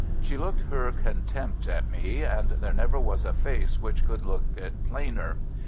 She looked her contempt at me, and there never was a face which could look it plainer.